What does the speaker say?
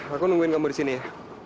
aku nungguin kamu di sini